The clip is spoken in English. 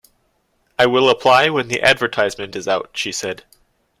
“I will apply when the advertisement is out,” she said.